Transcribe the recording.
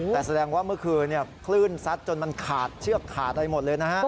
แต่แสดงว่าเมื่อคืนคลื่นซัดจนมันขาดเชือกขาดอะไรหมดเลยนะฮะ